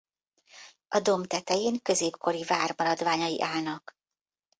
A domb tetején középkori vár maradványai állnak.